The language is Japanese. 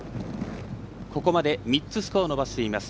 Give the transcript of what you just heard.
ここまで３つスコアを伸ばしています。